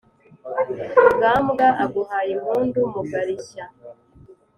mugambwa, aguhaye impundu mugarishya,